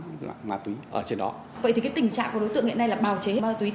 vậy thì tình trạng của đối tượng hiện nay là bào chế ma túy